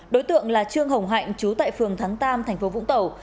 đối tượng là trương hồng hạnh trú tại phường thắng tam tp vũng tàu